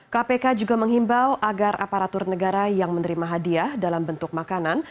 kpk juga menghimbau agar aparatur negara yang menerima hadiah dalam bentuk makanan